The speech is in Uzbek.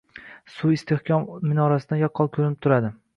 Suvi istehkom minorasidan yaqqol koʻrinib turadi.